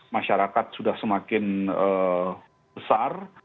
masyarakat sudah semakin besar